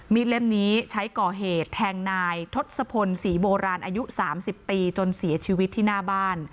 เล่มนี้ใช้ก่อเหตุแทงนายทศพลศรีโบราณอายุ๓๐ปีจนเสียชีวิตที่หน้าบ้าน